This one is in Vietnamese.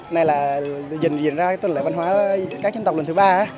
này là diễn ra tuần lễ văn hóa các dân tộc lần thứ ba á